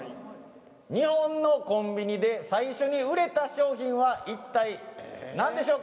日本のコンビニで最初に売れた商品はいったい、なんでしょうか。